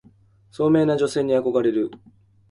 聡明な女性に憧れる